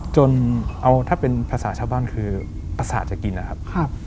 จนเอาถ้าเป็นภาษาชาวบ้านคือประสาทจะกินนะครับ